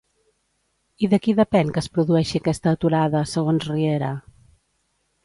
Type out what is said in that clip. I de qui depèn que es produeixi aquesta aturada, segons Riera?